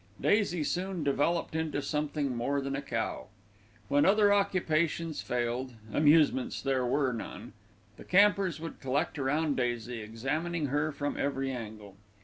Daisy soon developed into something more than a cow. When other occupations failed (amusements there were none), the campers would collect round Daisy, examining her from every angle.